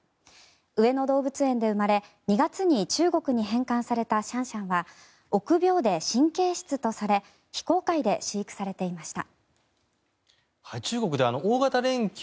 上野動物園で生まれ２月に中国に返還されたシャンシャンは臆病で神経質とされ非公開で飼育されていました。